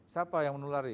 siapa yang menulari